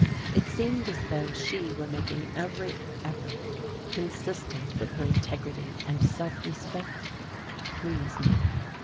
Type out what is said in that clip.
It seemed as though she were making every effort consistent with her integrity and self respect to please me.